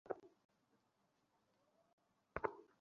Gas যেন ছড়িয়ে না পড়ে।